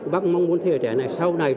bắc mong muốn thế giới trẻ này sau này